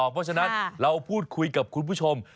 เพราะฉะนั้นเราพูดคุยกับคุณผู้ชม